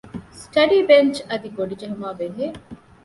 ސްޓަޑީ ބެންޗް އަދި ގޮޑި ޖެހުމާއި ބެހޭ